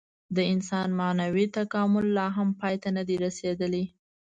د انسان معنوي تکامل لا هم پای ته نهدی رسېدلی.